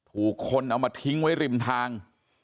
ถูกคนเอามาทิ้งไว้ริมทาง